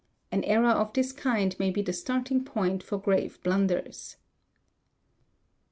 An error of this kind may be the starting point for grave blunders.